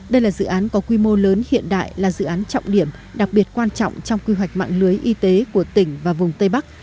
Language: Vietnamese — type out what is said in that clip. đây là dự án có quy mô lớn hiện đại là dự án trọng điểm đặc biệt quan trọng trong quy hoạch mạng lưới y tế của tỉnh và vùng tây bắc